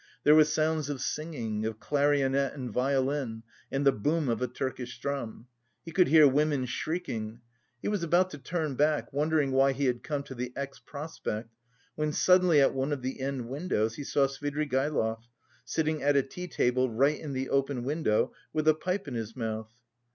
There were sounds of singing, of clarionet and violin, and the boom of a Turkish drum. He could hear women shrieking. He was about to turn back wondering why he had come to the X. Prospect, when suddenly at one of the end windows he saw Svidrigaïlov, sitting at a tea table right in the open window with a pipe in his mouth.